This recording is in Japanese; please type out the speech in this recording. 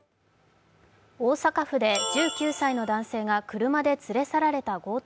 大阪府で１９歳の男性が車で連れ去られた強盗